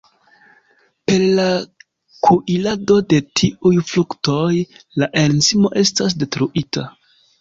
Per la kuirado de tiuj fruktoj la enzimo estas detruita.